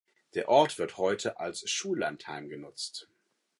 Der Ort wird heute als Schullandheim genutzt.